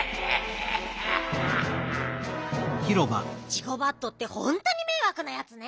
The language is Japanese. ジゴバットってほんとにめいわくなやつね。